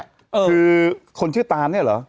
คือคนชื่อตานเนี่ยเหรอ